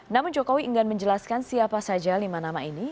namun jokowi enggan menjelaskan siapa saja lima nama ini